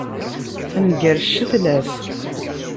Tenger ccetla-s.